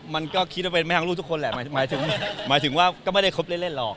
มันก็คิดว่าเป็นแม่ทางลูกทุกคนแหละหมายถึงหมายถึงว่าก็ไม่ได้คบเล่นหรอก